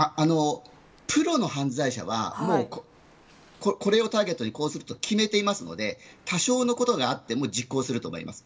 プロの犯罪者はこれをターゲットにこうすると決めていますので多少のことがあっても実行すると思います。